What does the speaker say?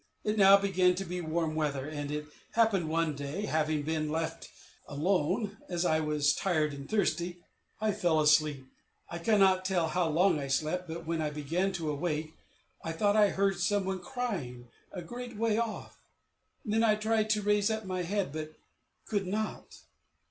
It now began to be warm weather, and it happened one day that, having been left alone, as I was tired and thirsty, I fell asleep. I cannot tell how long I slept, but when I began to awake, I thought I heard someone crying a great way off. Then I tried to raise up my head, but could not.